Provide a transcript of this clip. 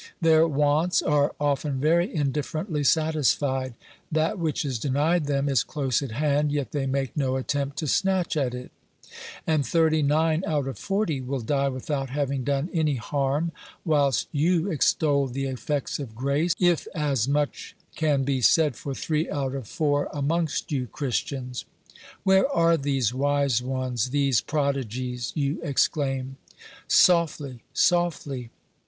Their wants are often very indifferently satisfied ; that which is denied them is close at hand, yet they make no attempt to snatch at it ; and thirty nine out of forty will die without having done any harm, whilst you extol the effects of grace, if as much can be said for three out of four amongst you Christians. Where are these wise ones, these prodigies ?— you exclaim. Softly, softly